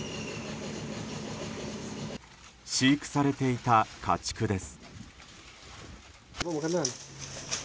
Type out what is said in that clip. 飼育されていた家畜です。